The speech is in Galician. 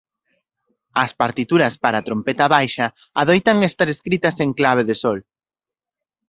As partituras para trompeta baixa adoitan estar escritas en clave de sol.